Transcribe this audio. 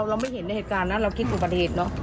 เราไม่เห็นในเหตุการณ์นะเราคิดอุบัติเหตุเนอะ